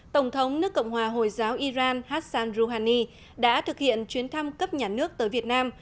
tổng thống nước cộng hòa hồi giáo iran hassan rouhani đã thực hiện chuyến thăm cấp nhà nước tới việt nam